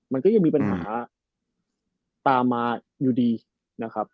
มันก็ยังมีปัญหาตามมาอยู่ดีนะครับ